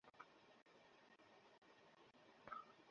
আমি কান্নার আওয়াজ শুনতে পেলাম।